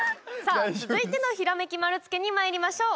続いてのひらめき丸つけにまいりましょう。